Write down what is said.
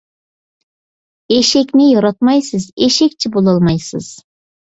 ئېشەكنى ياراتمايسىز، ئېشەكچە بولالمايسىز.